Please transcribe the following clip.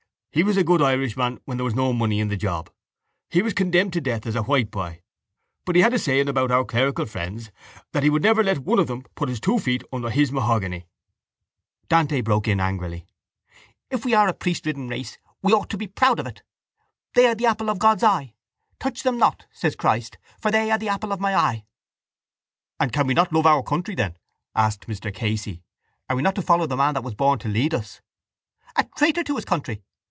He was a good Irishman when there was no money in the job. He was condemned to death as a whiteboy. But he had a saying about our clerical friends, that he would never let one of them put his two feet under his mahogany. Dante broke in angrily: —If we are a priestridden race we ought to be proud of it! They are the apple of God's eye. Touch them not, says Christ, for they are the apple of My eye. —And can we not love our country then? asked Mr Casey. Are we not to follow the man that was born to lead us? —A traitor to his country!